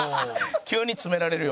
急に詰められるよ。